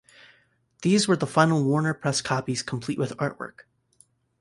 These were the final Warner pressed copies complete with artwork.